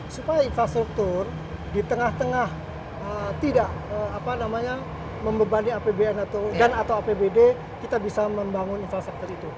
supaya infrastruktur di tengah tengah tidak membebani apbn dan atau apbd kita bisa membangun infrastruktur itu